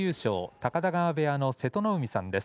高田川部屋の瀬戸の海さんです。